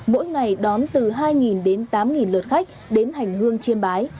mỗi ngày đón từ hai đến tám lượt khách đến hành hương chiêm bái